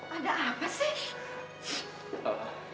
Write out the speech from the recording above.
ada apa sih